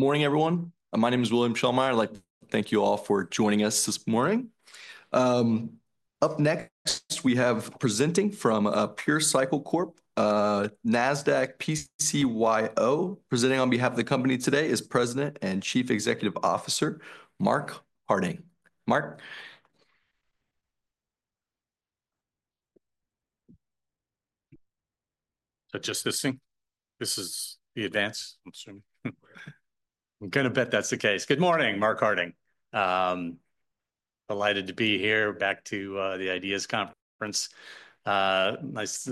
Good morning, everyone. My name is William Schellmeyer. I'd like to thank you all for joining us this morning. Up next, we have presenting from Pure Cycle Corp (Nasdaq: PCYO). Presenting on behalf of the company today is President and Chief Executive Officer Mark Harding. Mark? Just listening. This is the advance, I'm assuming. I'm going to bet that's the case. Good morning, Mark Harding. Delighted to be here. Back to the IDEAS Conference. Nice,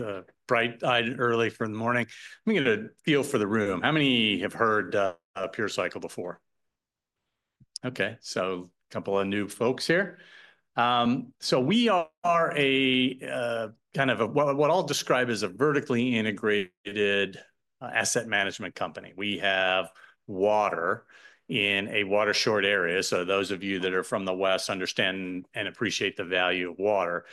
bright and early for the morning. I'm going to poll the room. How many have heard of Pure Cycle before? Okay. So a couple of new folks here. So we are a kind of what I'll describe as a vertically integrated asset management company. We have water in a water-short area. So those of you that are from the West understand and appreciate the value of water.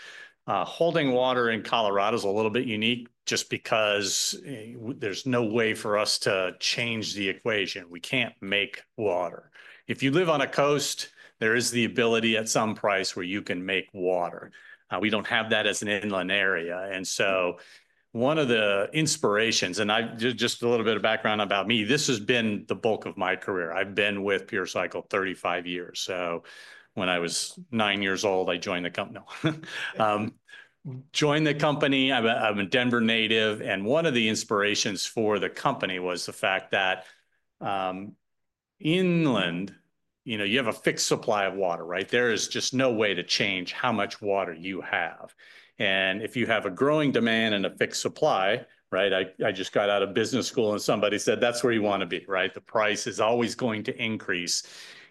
Holding water in Colorado is a little bit unique just because there's no way for us to change the equation. We can't make water. If you live on a coast, there is the ability at some price where you can make water. We don't have that as an inland area. And so one of the inspirations, and just a little bit of background about me, this has been the bulk of my career. I've been with Pure Cycle 35 years. So when I was nine years old, I joined the company. I'm a Denver native. And one of the inspirations for the company was the fact that inland, you have a fixed supply of water, right? There is just no way to change how much water you have. And if you have a growing demand and a fixed supply, right? I just got out of business school, and somebody said, "That's where you want to be," right? The price is always going to increase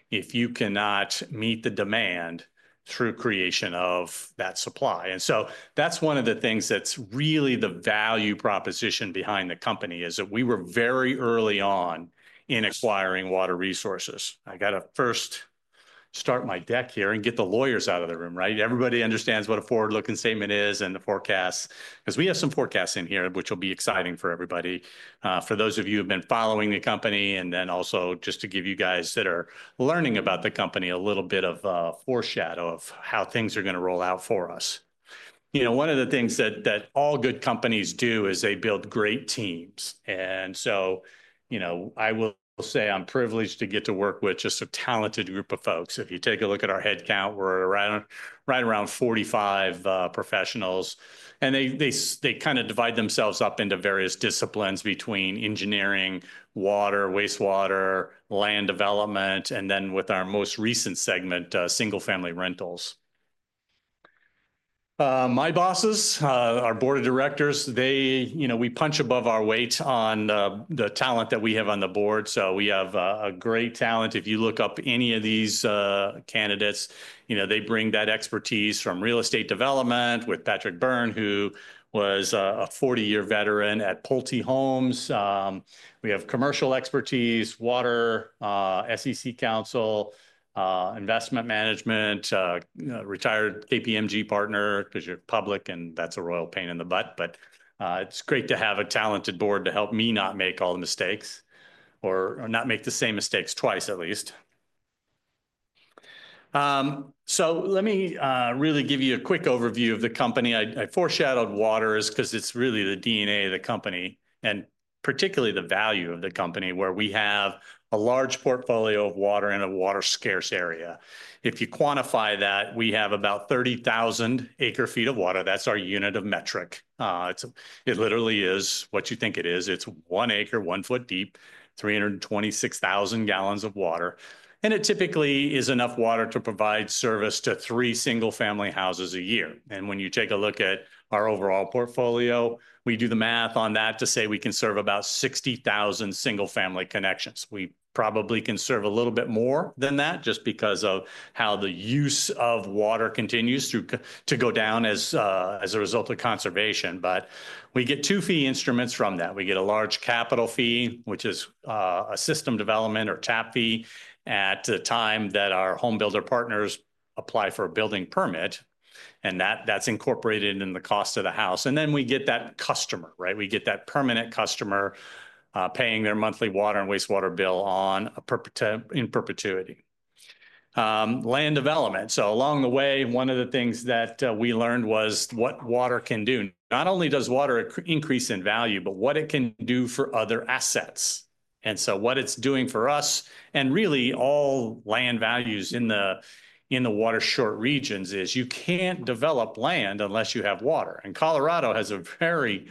if you cannot meet the demand through creation of that supply. That's one of the things that's really the value proposition behind the company is that we were very early on in acquiring water resources. I got to first start my deck here and get the lawyers out of the room, right? Everybody understands what a forward-looking statement is and the forecasts because we have some forecasts in here, which will be exciting for everybody. For those of you who have been following the company, and then also just to give you guys that are learning about the company a little bit of a foreshadow of how things are going to roll out for us. One of the things that all good companies do is they build great teams. And so I will say I'm privileged to get to work with just a talented group of folks. If you take a look at our headcount, we're right around 45 professionals. They kind of divide themselves up into various disciplines between engineering, water, wastewater, land development, and then with our most recent segment, single-family rentals. My bosses, our board of directors, we punch above our weight on the talent that we have on the board. We have a great talent. If you look up any of these candidates, they bring that expertise from real estate development with Patrick Byrne, who was a 40-year veteran at Pulte Homes. We have commercial expertise, water, SEC counsel, investment management, retired KPMG partner because you're public, and that's a real pain in the butt. It's great to have a talented board to help me not make all the mistakes or not make the same mistakes twice, at least. So let me really give you a quick overview of the company. I foreshadowed water because it's really the DNA of the company and particularly the value of the company where we have a large portfolio of water in a water-scarce area. If you quantify that, we have about 30,000 acre-feet of water. That's our unit of metric. It literally is what you think it is. It's one acre, one foot deep, 326,000 gal of water. And it typically is enough water to provide service to three single-family houses a year. And when you take a look at our overall portfolio, we do the math on that to say we can serve about 60,000 single-family connections. We probably can serve a little bit more than that just because of how the use of water continues to go down as a result of conservation. But we get two fee instruments from that. We get a large capital fee, which is a system development or tap fee at the time that our home builder partners apply for a building permit. And that's incorporated in the cost of the house. And then we get that customer, right? We get that permanent customer paying their monthly water and wastewater bill in perpetuity. Land development. So along the way, one of the things that we learned was what water can do. Not only does water increase in value, but what it can do for other assets. And so what it's doing for us and really all land values in the water-short regions is you can't develop land unless you have water. And Colorado has a very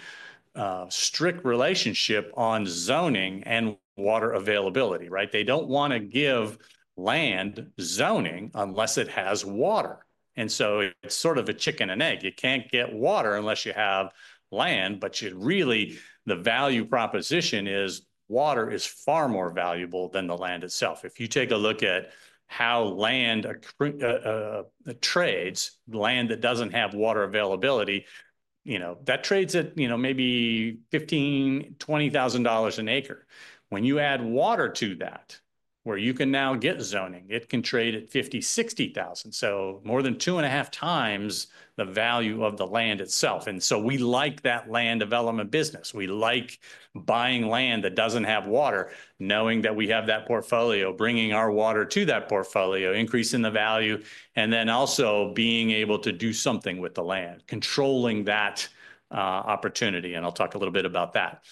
strict relationship on zoning and water availability, right? They don't want to give land zoning unless it has water. And so it's sort of a chicken and egg. You can't get water unless you have land. But really, the value proposition is water is far more valuable than the land itself. If you take a look at how land trades, land that doesn't have water availability, that trades at maybe $15,000, $20,000 an acre. When you add water to that, where you can now get zoning, it can trade at $50,000, $60,000, so more than two and a half times the value of the land itself. And so we like that land development business. We like buying land that doesn't have water, knowing that we have that portfolio, bringing our water to that portfolio, increasing the value, and then also being able to do something with the land, controlling that opportunity. And I'll talk a little bit about that.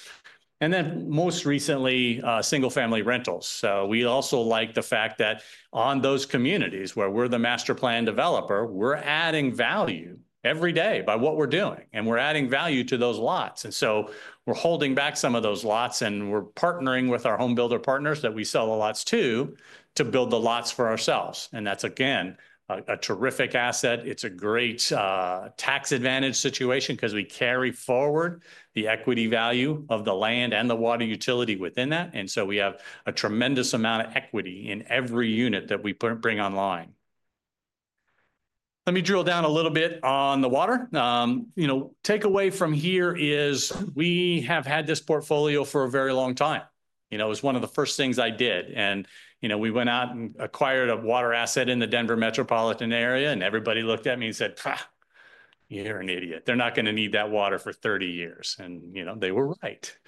And then most recently, single-family rentals. So we also like the fact that on those communities where we're the master plan developer, we're adding value every day by what we're doing. And we're adding value to those lots. And so we're holding back some of those lots, and we're partnering with our home builder partners that we sell the lots to to build the lots for ourselves. And that's, again, a terrific asset. It's a great tax advantage situation because we carry forward the equity value of the land and the water utility within that. And so we have a tremendous amount of equity in every unit that we bring online. Let me drill down a little bit on the water. Takeaway from here is we have had this portfolio for a very long time. It was one of the first things I did. We went out and acquired a water asset in the Denver metropolitan area. Everybody looked at me and said, "You're an idiot. They're not going to need that water for 30 years." They were right.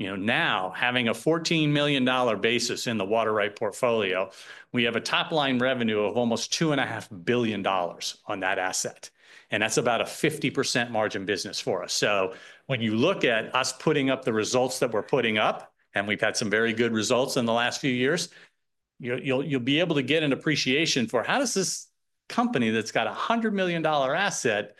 Now, having a $14 million basis in the water rights portfolio, we have a top-line revenue of almost $2.5 billion on that asset. That's about a 50% margin business for us. When you look at us putting up the results that we're putting up, and we've had some very good results in the last few years, you'll be able to get an appreciation for how does this company that's got a $100 million asset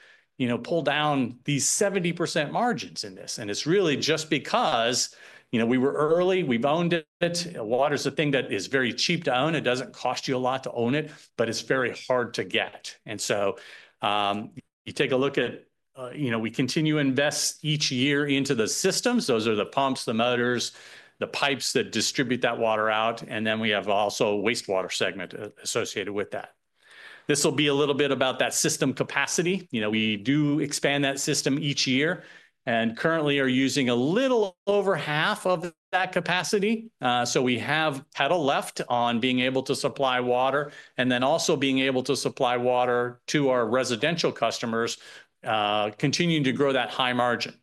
pull down these 70% margins in this. It's really just because we were early. We've owned it. Water is a thing that is very cheap to own. It doesn't cost you a lot to own it, but it's very hard to get. You take a look at how we continue to invest each year into the systems. Those are the pumps, the motors, the pipes that distribute that water out. We have also a wastewater segment associated with that. This will be a little bit about that system capacity. We do expand that system each year and currently are using a little over half of that capacity. We have plenty left on being able to supply water and then also being able to supply water to our residential customers, continuing to grow that high-margin.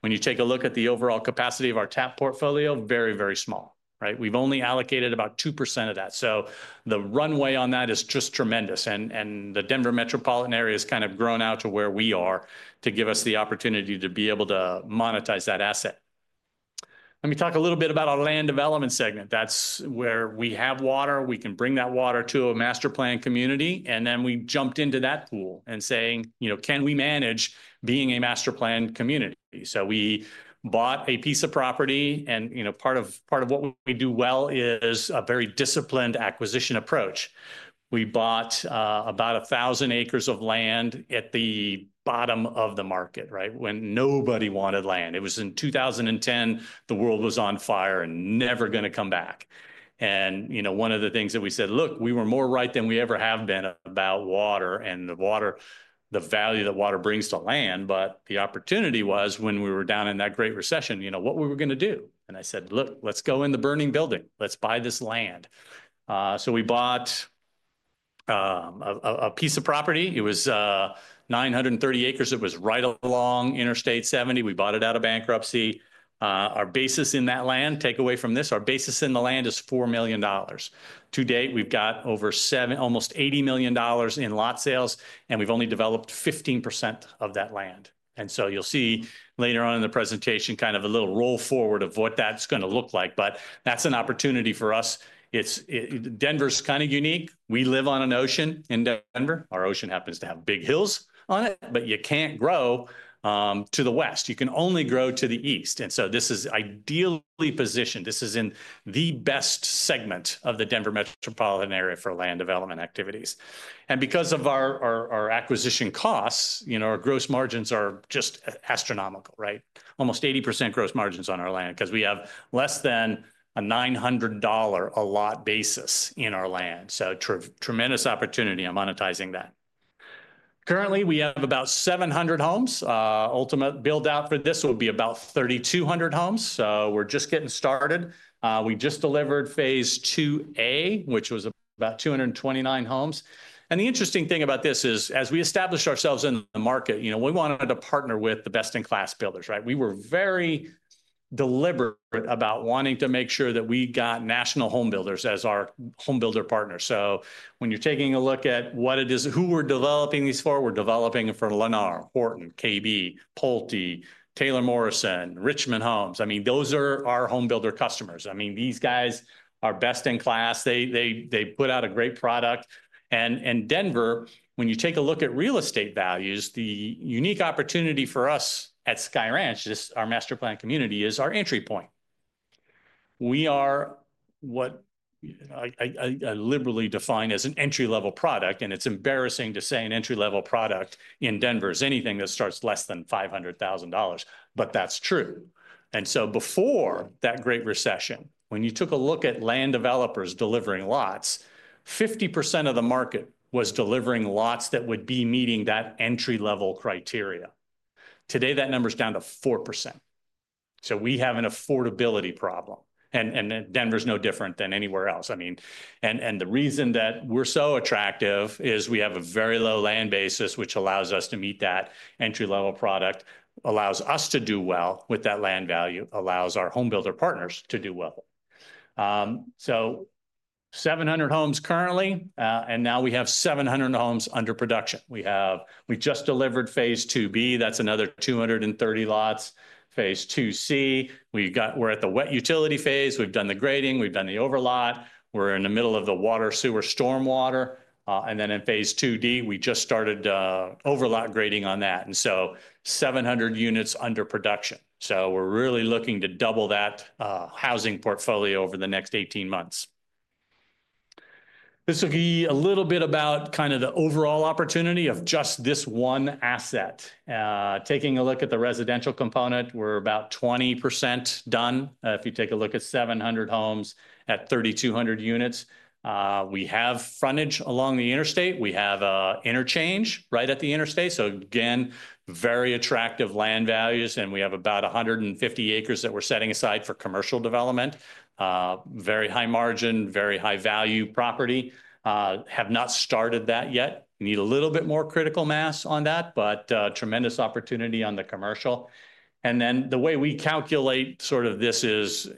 When you take a look at the overall capacity of our tap portfolio, very, very small, right? We've only allocated about 2% of that. The runway on that is just tremendous. And the Denver metropolitan area has kind of grown out to where we are to give us the opportunity to be able to monetize that asset. Let me talk a little bit about our land development segment. That's where we have water. We can bring that water to a master plan community. And then we jumped into that pool and saying, "Can we manage being a master plan community?" So we bought a piece of property. And part of what we do well is a very disciplined acquisition approach. We bought about 1,000 acres of land at the bottom of the market, right, when nobody wanted land. It was in 2010. The world was on fire and never going to come back. And one of the things that we said, "Look, we were more right than we ever have been about water and the value that water brings to land." But the opportunity was when we were down in that great recession, what were we going to do? And I said, "Look, let's go in the burning building. Let's buy this land." So we bought a piece of property. It was 930 acres. It was right along Interstate 70. We bought it out of bankruptcy. Our basis in that land, takeaway from this, our basis in the land is $4 million. To date, we've got over almost $80 million in lot sales, and we've only developed 15% of that land. And so you'll see later on in the presentation kind of a little roll forward of what that's going to look like. But that's an opportunity for us. Denver's kind of unique. We live on an ocean in Denver. Our ocean happens to have big hills on it, but you can't grow to the west. You can only grow to the east, and so this is ideally positioned. This is in the best segment of the Denver metropolitan area for land development activities, and because of our acquisition costs, our gross margins are just astronomical, right? Almost 80% gross margins on our land because we have less than a $900 a lot basis in our land, so tremendous opportunity on monetizing that. Currently, we have about 700 homes. Ultimate build-out for this will be about 3,200 homes, so we're just getting started. We just delivered phase II-A, which was about 229 homes, and the interesting thing about this is, as we established ourselves in the market, we wanted to partner with the best-in-class builders, right? We were very deliberate about wanting to make sure that we got national home builders as our home builder partner. So when you're taking a look at who we're developing these for, we're developing for Lennar, Horton, KB, Pulte, Taylor Morrison, Richmond Homes. I mean, those are our home builder customers. I mean, these guys are best in class. They put out a great product. And Denver, when you take a look at real estate values, the unique opportunity for us at Sky Ranch, just our master plan community, is our entry point. We are what I liberally define as an entry-level product. And it's embarrassing to say an entry-level product in Denver is anything that starts less than $500,000, but that's true. And so before that great recession, when you took a look at land developers delivering lots, 50% of the market was delivering lots that would be meeting that entry-level criteria. Today, that number's down to 4%. So we have an affordability problem. And Denver's no different than anywhere else. I mean, and the reason that we're so attractive is we have a very low land basis, which allows us to meet that entry-level product, allows us to do well with that land value, allows our home builder partners to do well. So 700 homes currently. And now we have 700 homes under production. We just delivered phase II-B. That's another 230 lots. Phase II-C, we're at the wet utility phase. We've done the grading. We've done the overlot. We're in the middle of the water, sewer, stormwater. And then in phase II-D, we just started overlot grading on that. 700 units under production. We're really looking to double that housing portfolio over the next 18 months. This will be a little bit about kind of the overall opportunity of just this one asset. Taking a look at the residential component, we're about 20% done. If you take a look at 700 homes at 3,200 units, we have frontage along the interstate. We have an interchange right at the interstate. Again, very attractive land values. We have about 150 acres that we're setting aside for commercial development. Very high margin, very high value property. Have not started that yet. Need a little bit more critical mass on that, but tremendous opportunity on the commercial. The way we calculate sort of this is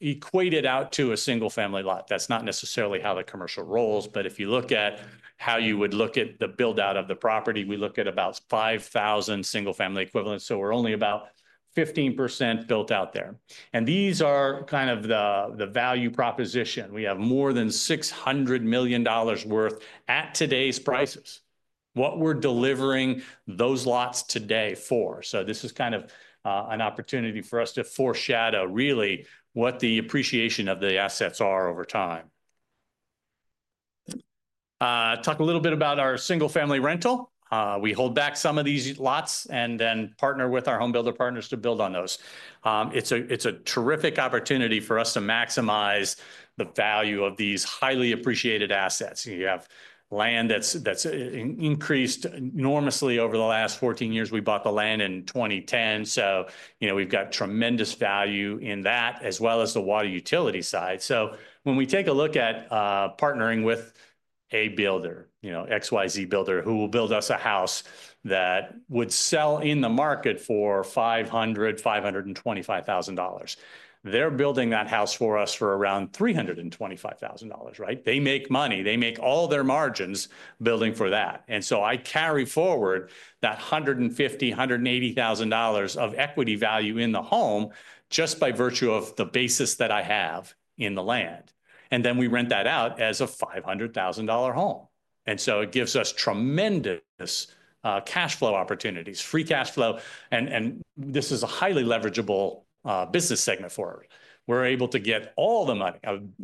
equate it out to a single-family lot. That's not necessarily how the commercial rolls. But if you look at how you would look at the build-out of the property, we look at about 5,000 single-family equivalents. So we're only about 15% built out there. And these are kind of the value proposition. We have more than $600 million worth at today's prices—what we're delivering those lots today for. So this is kind of an opportunity for us to foreshadow really what the appreciation of the assets are over time. Talk a little bit about our single-family rental. We hold back some of these lots and then partner with our home builder partners to build on those. It's a terrific opportunity for us to maximize the value of these highly appreciated assets. You have land that's increased enormously over the last 14 years. We bought the land in 2010. So we've got tremendous value in that as well as the water utility side. So when we take a look at partnering with a builder, XYZ builder, who will build us a house that would sell in the market for $500,000-$525,000. They're building that house for us for around $325,000, right? They make money. They make all their margins building for that. And so I carry forward that $150,000-$180,000 of equity value in the home just by virtue of the basis that I have in the land. And then we rent that out as a $500,000 home. And so it gives us tremendous cash flow opportunities, free cash flow. And this is a highly leverageable business segment for us. We're able to get all the money.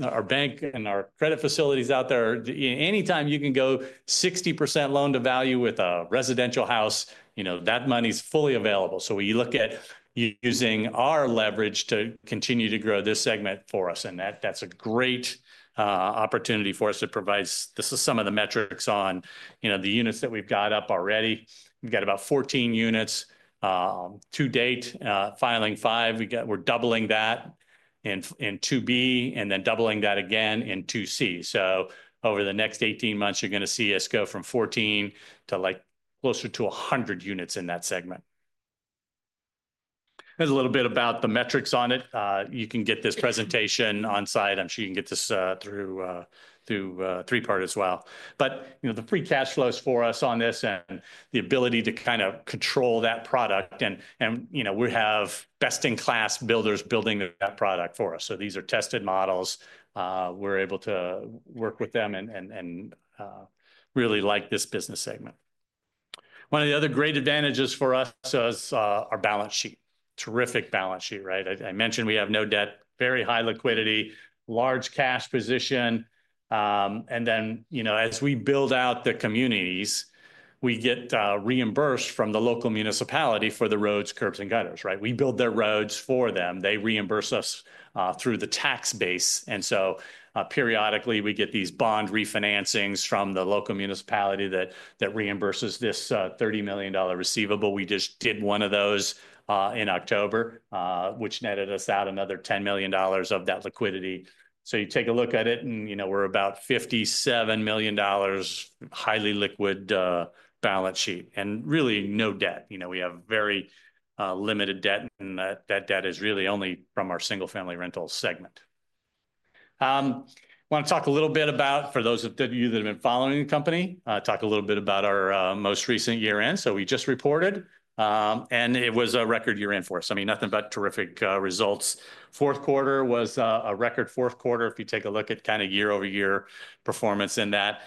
Our bank and our credit facilities out there. Anytime you can go 60% loan to value with a residential house, that money's fully available. We look at using our leverage to continue to grow this segment for us. And that's a great opportunity for us to provide. This is some of the metrics on the units that we've got up already. We've got about 14 units to date, filing five. We're doubling that in II-B and then doubling that again in II-C. So over the next 18 months, you're going to see us go from 14 to closer to 100 units in that segment. There's a little bit about the metrics on it. You can get this presentation on site. I'm sure you can get this through III part as well. But the free cash flows for us on this and the ability to kind of control that product. And we have best-in-class builders building that product for us. So these are tested models. We're able to work with them and really like this business segment. One of the other great advantages for us is our balance sheet. Terrific balance sheet, right? I mentioned we have no debt, very high liquidity, large cash position. And then as we build out the communities, we get reimbursed from the local municipality for the roads, curbs, and gutters, right? We build their roads for them. They reimburse us through the tax base. And so periodically, we get these bond refinancings from the local municipality that reimburses this $30 million receivable. We just did one of those in October, which netted us out another $10 million of that liquidity. So you take a look at it, and we're about $57 million, highly liquid balance sheet, and really no debt. We have very limited debt, and that debt is really only from our single-family rental segment. I want to talk a little bit about, for those of you that have been following the company, talk a little bit about our most recent year-end. So we just reported, and it was a record year-end for us. I mean, nothing but terrific results. Fourth quarter was a record fourth quarter. If you take a look at kind of year-over-year performance in that,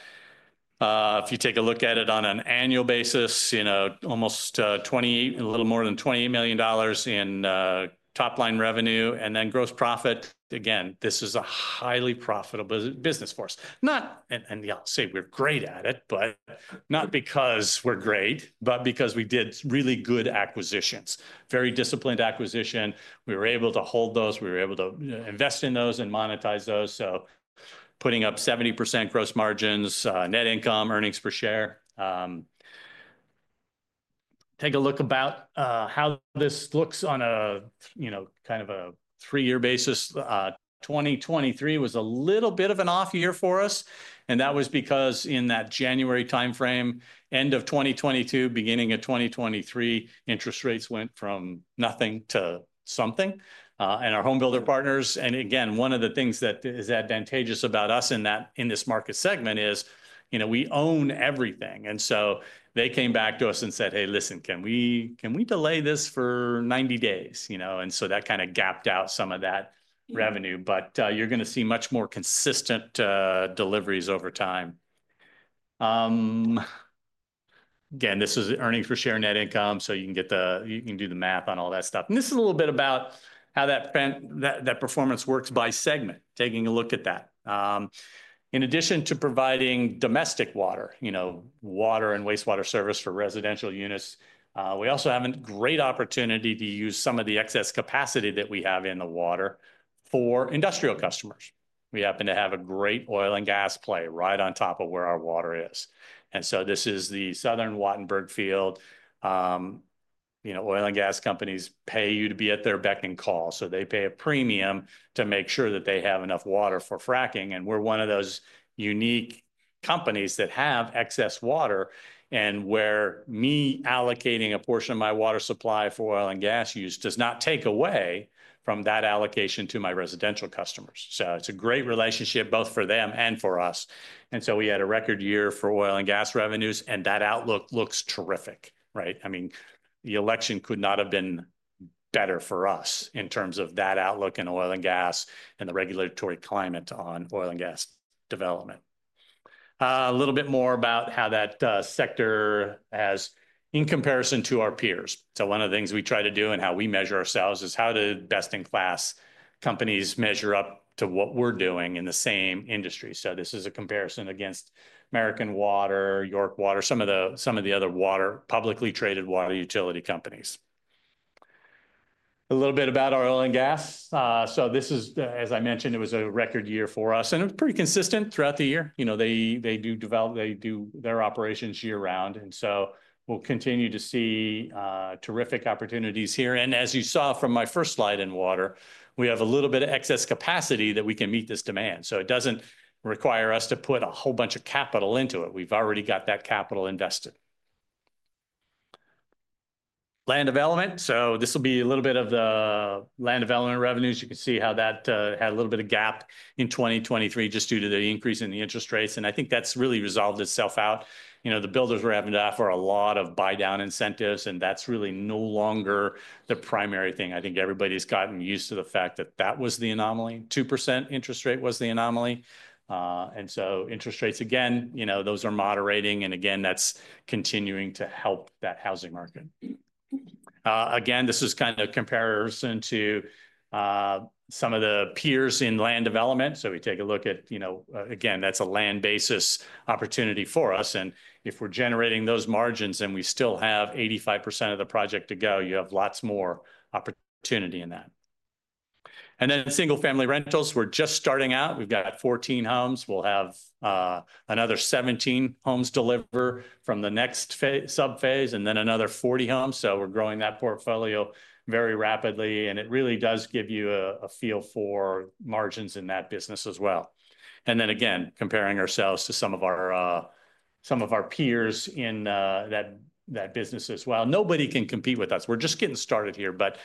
if you take a look at it on an annual basis, almost a little more than $28 million in top-line revenue. And then gross profit, again, this is a highly profitable business for us. And yeah, I'll say we're great at it, but not because we're great, but because we did really good acquisitions, very disciplined acquisition. We were able to hold those. We were able to invest in those and monetize those. So putting up 70% gross margins, net income, earnings per share. Take a look about how this looks on a kind of a three-year basis. 2023 was a little bit of an off year for us, and that was because in that January timeframe, end of 2022, beginning of 2023, interest rates went from nothing to something. And our home builder partners, and again, one of the things that is advantageous about us in this market segment is we own everything, and so they came back to us and said, "Hey, listen, can we delay this for 90 days?" And so that kind of gapped out some of that revenue, but you're going to see much more consistent deliveries over time. Again, this is earnings per share net income. So you can do the math on all that stuff. And this is a little bit about how that performance works by segment, taking a look at that. In addition to providing domestic water, water and wastewater service for residential units, we also have a great opportunity to use some of the excess capacity that we have in the water for industrial customers. We happen to have a great oil and gas play right on top of where our water is, and so this is the Southern Wattenberg Field. Oil and gas companies pay you to be at their beck and call, so they pay a premium to make sure that they have enough water for fracking, and we're one of those unique companies that have excess water, and where I'm allocating a portion of my water supply for oil and gas use does not take away from that allocation to my residential customers, so it's a great relationship both for them and for us. We had a record year for oil and gas revenues, and that outlook looks terrific, right? I mean, the election could not have been better for us in terms of that outlook in oil and gas and the regulatory climate on oil and gas development. A little bit more about how that sector has in comparison to our peers. One of the things we try to do and how we measure ourselves is how do best-in-class companies measure up to what we're doing in the same industry? This is a comparison against American Water, York Water, some of the other publicly traded water utility companies. A little bit about oil and gas. This is, as I mentioned, it was a record year for us. It was pretty consistent throughout the year. They do develop their operations year-round. And so we'll continue to see terrific opportunities here. And as you saw from my first slide in water, we have a little bit of excess capacity that we can meet this demand. So it doesn't require us to put a whole bunch of capital into it. We've already got that capital invested. Land development. So this will be a little bit of the land development revenues. You can see how that had a little bit of gap in 2023 just due to the increase in the interest rates. And I think that's really resolved itself out. The builders were having to offer a lot of buy-down incentives, and that's really no longer the primary thing. I think everybody's gotten used to the fact that that was the anomaly. 2% interest rate was the anomaly. And so interest rates, again, those are moderating. Again, that's continuing to help that housing market. Again, this is kind of a comparison to some of the peers in land development. So we take a look at, again, that's a land basis opportunity for us. And if we're generating those margins and we still have 85% of the project to go, you have lots more opportunity in that. And then single-family rentals, we're just starting out. We've got 14 homes. We'll have another 17 homes deliver from the next sub-phase and then another 40 homes. So we're growing that portfolio very rapidly. And it really does give you a feel for margins in that business as well. And then again, comparing ourselves to some of our peers in that business as well. Nobody can compete with us. We're just getting started here. But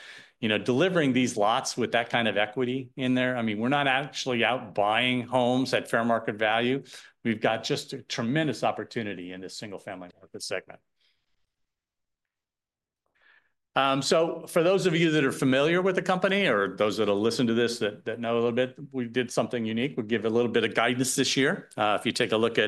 delivering these lots with that kind of equity in there, I mean, we're not actually out buying homes at fair market value. We've got just a tremendous opportunity in this single-family market segment. So for those of you that are familiar with the company or those that have listened to this, that know a little bit, we did something unique. We'll give a little bit of guidance this year. If you take a look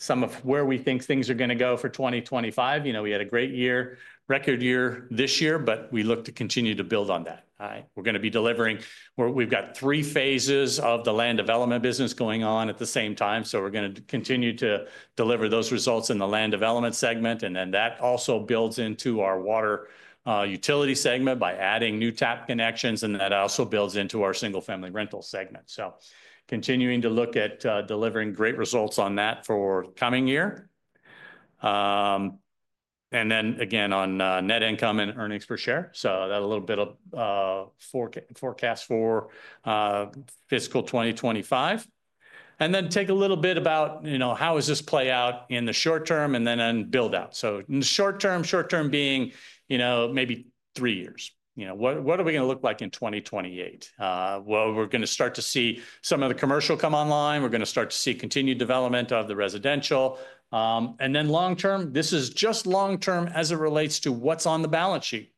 at some of where we think things are going to go for 2025, we had a great year, record year this year, but we look to continue to build on that. We're going to be delivering. We've got three phases of the land development business going on at the same time. So we're going to continue to deliver those results in the land development segment. And then that also builds into our water utility segment by adding new tap connections. And that also builds into our single-family rental segment. So continuing to look at delivering great results on that for coming year. And then again, on net income and earnings per share. So that's a little bit of forecast for fiscal 2025. And then take a little bit about how does this play out in the short term and then build out. So in the short term, short term being maybe three years. What are we going to look like in 2028? Well, we're going to start to see some of the commercial come online. We're going to start to see continued development of the residential. And then long term, this is just long term as it relates to what's on the balance sheet.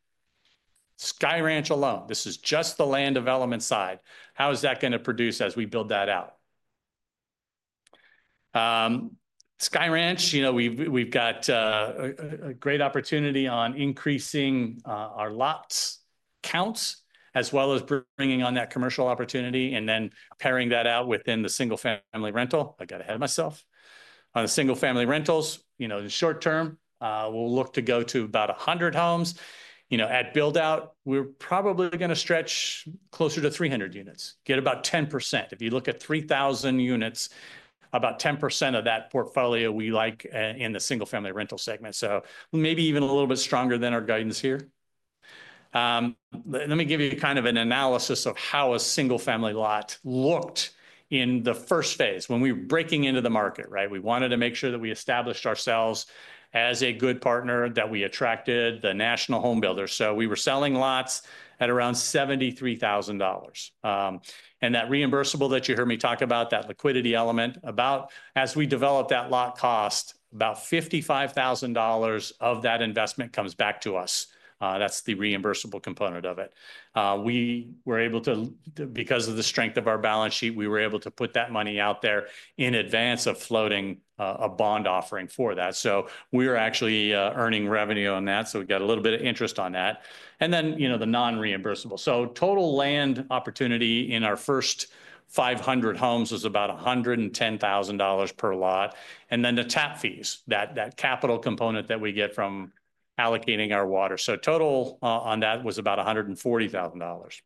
Sky Ranch alone, this is just the land development side. How is that going to produce as we build that out? Sky Ranch, we've got a great opportunity on increasing our lot counts as well as bringing on that commercial opportunity and then pairing that out within the single-family rental. I got ahead of myself. On the single-family rentals, in short term, we'll look to go to about 100 homes. At build-out, we're probably going to stretch closer to 300 units, get about 10%. If you look at 3,000 units, about 10% of that portfolio we like in the single-family rental segment. So maybe even a little bit stronger than our guidance here. Let me give you kind of an analysis of how a single-family lot looked in the first phase when we were breaking into the market, right? We wanted to make sure that we established ourselves as a good partner that we attracted the national home builders. So we were selling lots at around $73,000, and that reimbursable that you heard me talk about, that liquidity element, as we developed that lot cost, about $55,000 of that investment comes back to us. That's the reimbursable component of it. We were able to, because of the strength of our balance sheet, we were able to put that money out there in advance of floating a bond offering for that, so we were actually earning revenue on that, so we got a little bit of interest on that, and then the non-reimbursable, so total land opportunity in our first 500 homes was about $110,000 per lot, and then the tap fees, that capital component that we get from allocating our water, so total on that was about $140,000.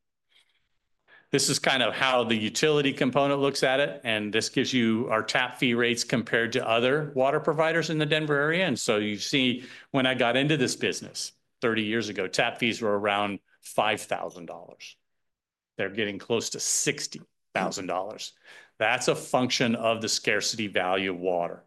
This is kind of how the utility component looks at it. This gives you our tap fee rates compared to other water providers in the Denver area. You see when I got into this business 30 years ago, tap fees were around $5,000. They're getting close to $60,000. That's a function of the scarcity value of water.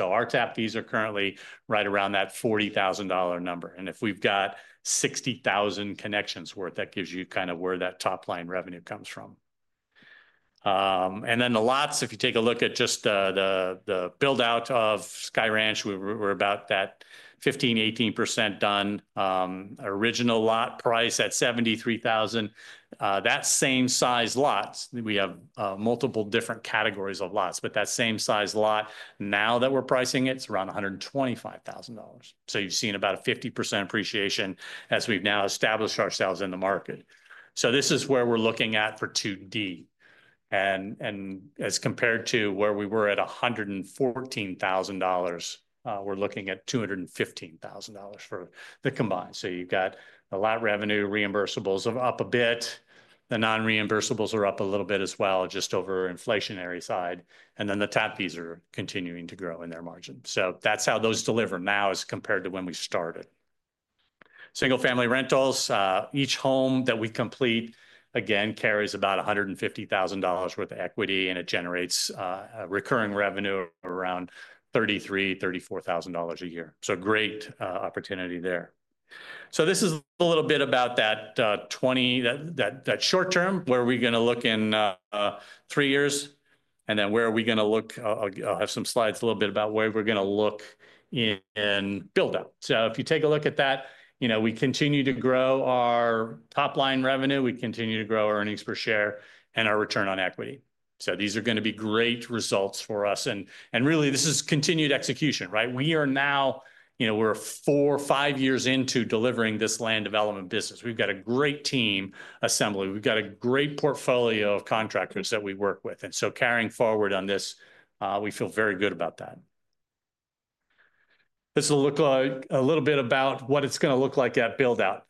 Our tap fees are currently right around that $40,000 number. If we've got 60,000 connections worth, that gives you kind of where that top-line revenue comes from. The lots, if you take a look at just the build-out of Sky Ranch, we're about 15%, 18% done. Original lot price at $73,000. That same size lots, we have multiple different categories of lots, but that same size lot, now that we're pricing it, it's around $125,000. You've seen about a 50% appreciation as we've now established ourselves in the market. So this is where we're looking at for 2D. And as compared to where we were at $114,000, we're looking at $215,000 for the combined. So you've got the lot revenue reimbursables up a bit. The non-reimbursables are up a little bit as well, just over inflationary side. And then the tap fees are continuing to grow in their margin. So that's how those deliver now as compared to when we started. Single-family rentals, each home that we complete, again, carries about $150,000 worth of equity, and it generates recurring revenue of around $33,000-$34,000 a year. So great opportunity there. So this is a little bit about that short term, where are we going to look in three years? And then where are we going to look? I'll have some slides a little bit about where we're going to look in build-out. So if you take a look at that, we continue to grow our top-line revenue. We continue to grow our earnings per share and our return on equity. So these are going to be great results for us. And really, this is continued execution, right? We are now, we're four, five years into delivering this land development business. We've got a great team assembly. We've got a great portfolio of contractors that we work with. And so carrying forward on this, we feel very good about that. This will look a little bit about what it's going to look like at build-out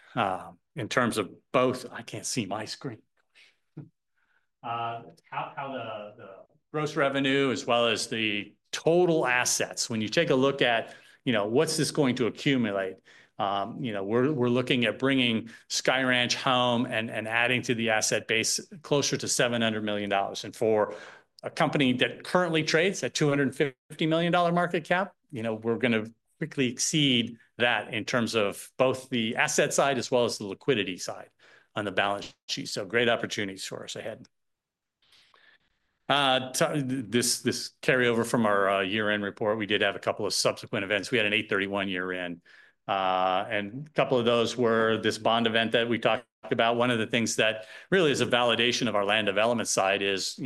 in terms of both. I can't see my screen. How the gross revenue as well as the total assets, when you take a look at what's this going to accumulate, we're looking at bringing Sky Ranch home and adding to the asset base closer to $700 million. And for a company that currently trades at $250 million market cap, we're going to quickly exceed that in terms of both the asset side as well as the liquidity side on the balance sheet. So great opportunities for us ahead. This carryover from our year-end report, we did have a couple of subsequent events. We had an 831 year-end. And a couple of those were this bond event that we talked about. One of the things that really is a validation of our land development side is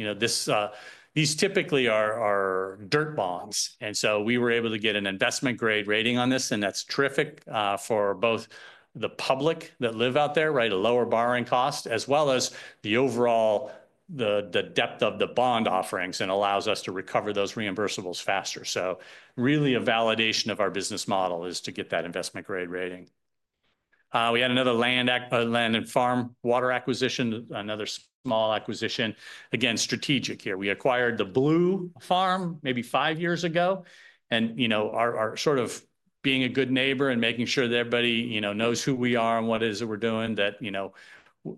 these typically are dirt bonds. And so we were able to get an investment-grade rating on this. And that's terrific for both the public that live out there, right? A lower borrowing cost, as well as the overall depth of the bond offerings and allows us to recover those reimbursables faster. So really a validation of our business model is to get that investment-grade rating. We had another land and farm water acquisition, another small acquisition. Again, strategic here. We acquired the Blue Farm maybe five years ago. And sort of being a good neighbor and making sure that everybody knows who we are and what it is that we're doing, that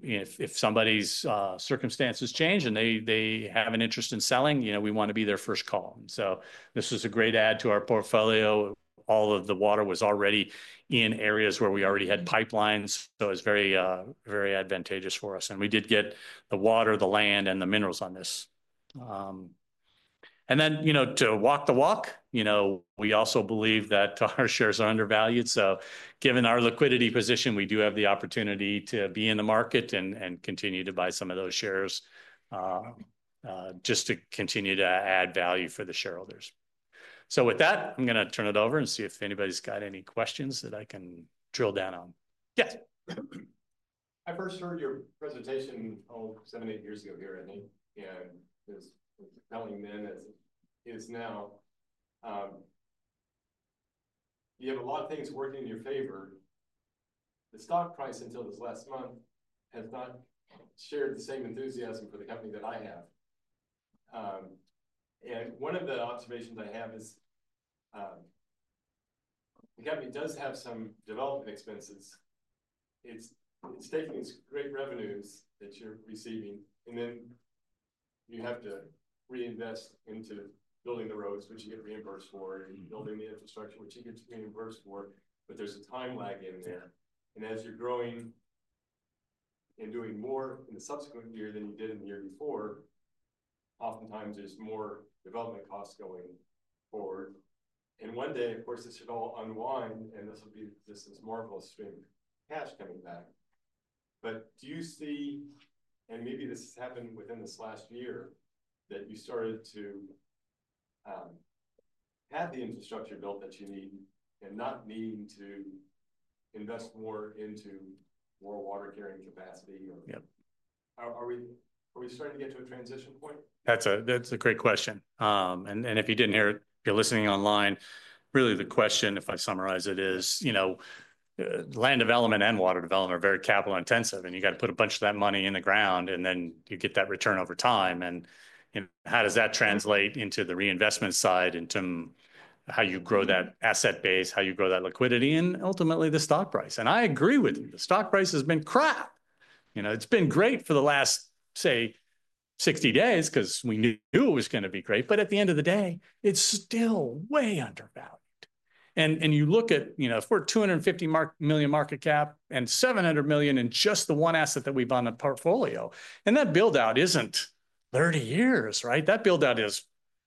if somebody's circumstances change and they have an interest in selling, we want to be their first call. And so this was a great add to our portfolio. All of the water was already in areas where we already had pipelines. So it was very advantageous for us. And we did get the water, the land, and the minerals on this. And then to walk the walk, we also believe that our shares are undervalued. So given our liquidity position, we do have the opportunity to be in the market and continue to buy some of those shares just to continue to add value for the shareholders, so with that, I'm going to turn it over and see if anybody's got any questions that I can drill down on. Yes. I first heard your presentation seven, eight years ago here, and it was telling then as it is now. You have a lot of things working in your favor. The stock price until this last month has not shared the same enthusiasm for the company that I have, and one of the observations I have is the company does have some development expenses. It's taking these great revenues that you're receiving, and then you have to reinvest into building the roads, which you get reimbursed for, and building the infrastructure, which you get reimbursed for. But there's a time lag in there. And as you're growing and doing more in the subsequent year than you did in the year before, oftentimes there's more development costs going forward. And one day, of course, this should all unwind, and this will be just this marvelous stream of cash coming back. But do you see, and maybe this has happened within this last year, that you started to have the infrastructure built that you need and not needing to invest more into more water carrying capacity? Are we starting to get to a transition point? That's a great question. If you didn't hear it, if you're listening online, really the question, if I summarize it, is land development and water development are very capital intensive, and you got to put a bunch of that money in the ground, and then you get that return over time. How does that translate into the reinvestment side and how you grow that asset base, how you grow that liquidity, and ultimately the stock price? I agree with you. The stock price has been crap. It's been great for the last, say, 60 days because we knew it was going to be great. But at the end of the day, it's still way undervalued. You look at if we're $250 million market cap and $700 million in just the one asset that we've on the portfolio, and that build-out isn't 30 years, right? That build-out is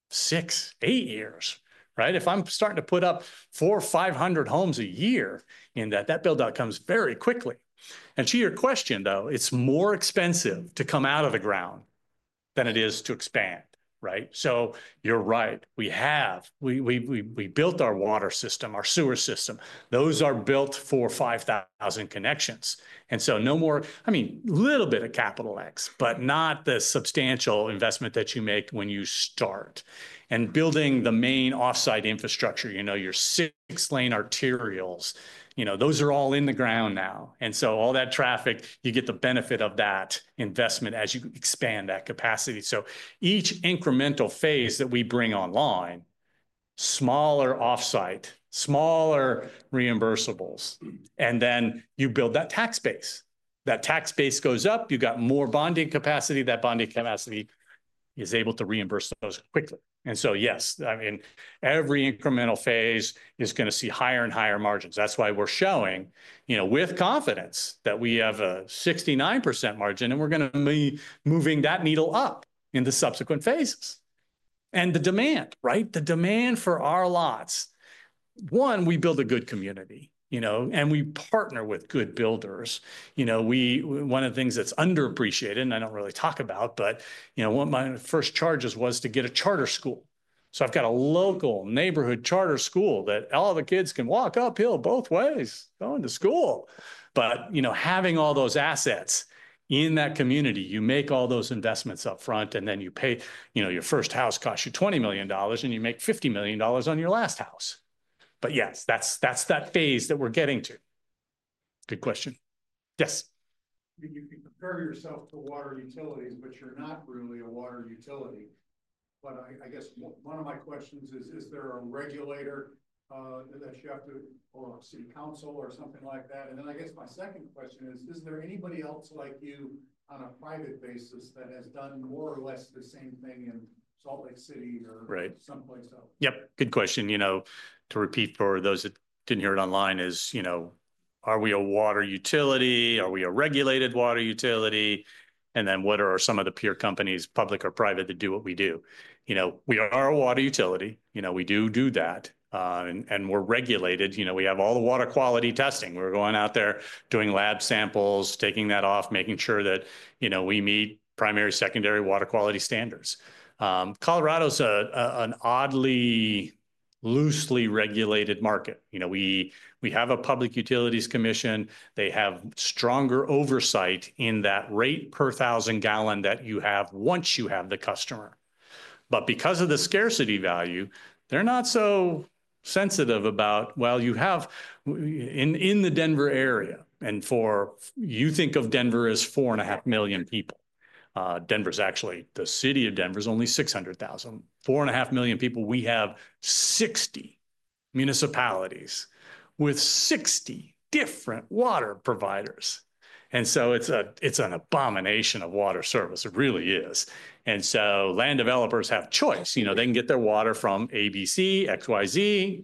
six, eight years, right? If I'm starting to put up four, five hundred homes a year in that, that build-out comes very quickly, and to your question, though, it's more expensive to come out of the ground than it is to expand, right, so you're right. We built our water system, our sewer system. Those are built for 5,000 connections, and so no more, I mean, a little bit of capital ex, but not the substantial investment that you make when you start, and building the main offsite infrastructure, your six-lane arterials, those are all in the ground now, and so all that traffic, you get the benefit of that investment as you expand that capacity, so each incremental phase that we bring online, smaller offsite, smaller reimbursables, and then you build that tax base. That tax base goes up, you've got more bonding capacity. That bonding capacity is able to reimburse those quickly, and so yes, I mean, every incremental phase is going to see higher and higher margins. That's why we're showing with confidence that we have a 69% margin, and we're going to be moving that needle up in the subsequent phases, and the demand, right? The demand for our lots, one, we build a good community, and we partner with good builders. One of the things that's underappreciated, and I don't really talk about, but one of my first charges was to get a charter school, so I've got a local neighborhood charter school that all the kids can walk uphill both ways going to school, but having all those assets in that community, you make all those investments upfront, and then you pay your first house costs you $20 million, and you make $50 million on your last house. But yes, that's that phase that we're getting to. Good question. Yes. You can compare yourself to water utilities, but you're not really a water utility. But I guess one of my questions is, is there a regulator that you have to, or a city council or something like that? And then I guess my second question is, is there anybody else like you on a private basis that has done more or less the same thing in Salt Lake City or someplace else? Yep. Good question. To repeat for those that didn't hear it online is, are we a water utility? Are we a regulated water utility? And then what are some of the peer companies, public or private, that do what we do? We are a water utility. We do do that. And we're regulated. We have all the water quality testing. We're going out there doing lab samples, taking that off, making sure that we meet primary, secondary water quality standards. Colorado's an oddly loosely regulated market. We have a public utilities commission. They have stronger oversight in that rate per thousand gallon that you have once you have the customer. But because of the scarcity value, they're not so sensitive about, well, you have in the Denver area, and for you think of Denver as four and a half million people. Denver's actually the city of Denver's only 600,000. Four and a half million people, we have 60 municipalities with 60 different water providers, and so it's an abomination of water service. It really is, and so land developers have choice. They can get their water from ABC, XYZ,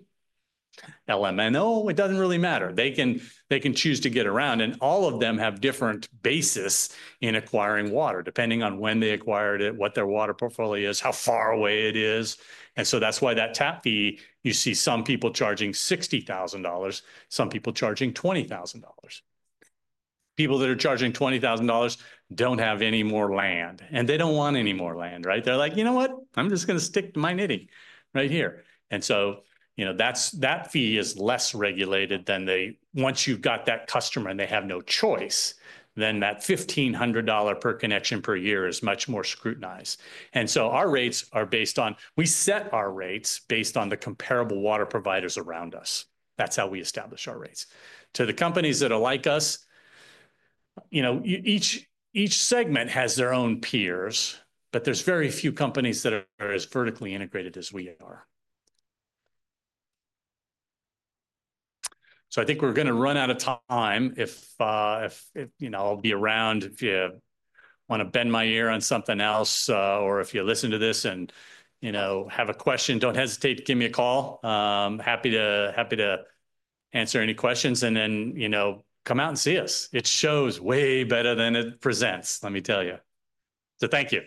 LMNO. It doesn't really matter. They can choose to get around. And all of them have different bases in acquiring water, depending on when they acquired it, what their water portfolio is, how far away it is. And so that's why that tap fee, you see some people charging $60,000, some people charging $20,000. People that are charging $20,000 don't have any more land, and they don't want any more land, right? They're like, you know what? I'm just going to stick to my nitty-gritty right here. And so that fee is less regulated than, once you've got that customer and they have no choice, then that $1,500 per connection per year is much more scrutinized. And so our rates are based on we set our rates based on the comparable water providers around us. That's how we establish our rates. To the companies that are like us, each segment has their own peers, but there's very few companies that are as vertically integrated as we are. So I think we're going to run out of time. I'll be around if you want to bend my ear on something else, or if you listen to this and have a question, don't hesitate to give me a call. Happy to answer any questions. And then come out and see us. It shows way better than it presents, let me tell you. So thank you.